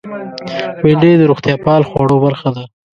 بېنډۍ د روغتیا پال خوړو برخه ده